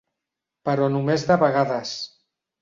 Però només de vegades.